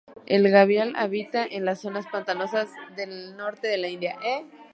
El gavial habita en las zonas pantanosas del norte de la India.